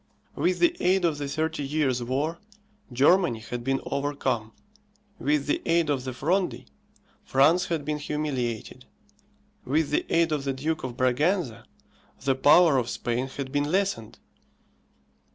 With the aid of the Thirty Years' War, Germany had been overcome; with the aid of the Fronde, France had been humiliated; with the aid of the Duke of Braganza, the power of Spain had been lessened.